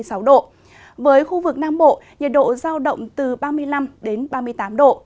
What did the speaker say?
trong khu vực nam bộ nhiệt độ giao động từ ba mươi năm ba mươi tám độ